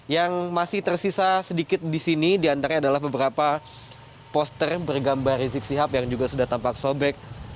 yang masih tersisa sedikit di sini diantara adalah beberapa poster bergambar rizik sihab yang juga sudah tampak sobek